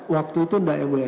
waktu itu enggak yang mulia